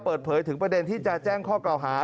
เปิดเผยถึงประเด็นที่จะแจ้งข้อกล่าวหา